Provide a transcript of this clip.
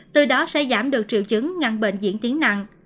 từ đó sẽ giảm được triệu chứng ngăn bệnh diễn tiến nặng